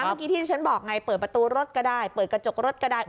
เมื่อกี้ที่ฉันบอกไงเปิดประตูรถก็ได้เปิดกระจกรถก็ได้